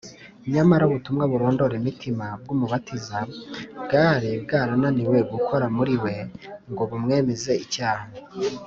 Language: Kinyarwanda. . Nyamara ubutumwa burondora imitima bw’Umubatiza bwari bwarananiwe gukora muri we ngo bumwemeze icyaha.